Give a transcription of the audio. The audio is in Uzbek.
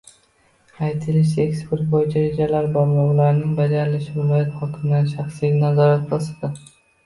Aytilishicha, eksport bo'yicha rejalar bor va ularning bajarilishi viloyat hokimlarining shaxsiy nazorati ostida